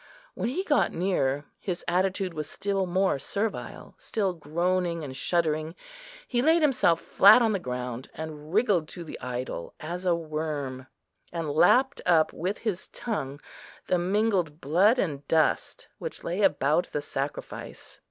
When he got near, his attitude was still more servile; still groaning and shuddering, he laid himself flat on the ground, and wriggled to the idol as a worm, and lapped up with his tongue the mingled blood and dust which lay about the sacrifice.